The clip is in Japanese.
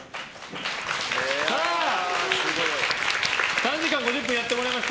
３時間５０分やってもらいました。